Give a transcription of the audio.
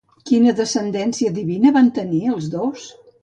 Quina descendència divina van tenir els dos?